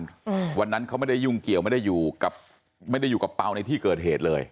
แต่วันนั้นเขาไม่ได้ยุ่งเกี่ยวไม่ได้อยู่กับเปาในที่เกิดเหตุเลย